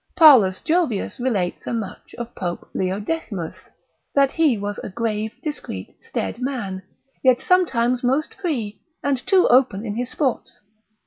Paulus Jovius relates as much of Pope Leo Decimus, that he was a grave, discreet, staid man, yet sometimes most free, and too open in his sports.